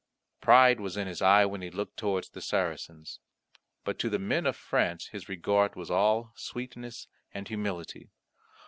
Pride was in his eye when he looked towards the Saracens; but to the men of France his regard was all sweetness and humility.